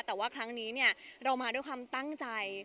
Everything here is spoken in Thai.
แต่ว่าครั้งนี้เรามาด้วยความตั้งใจ